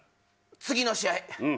次の試合